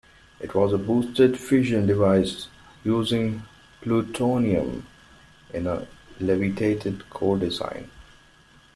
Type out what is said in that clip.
It was a boosted fission device using plutonium in a "levitated" core design.